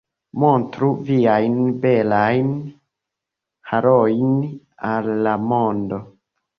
Montru viajn belajn harojn al la mondo